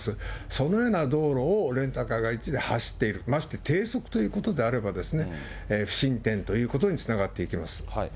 そのような道路をレンタカーが１台走っている、まして低速ということであれば、不審点ということにつながっていきます。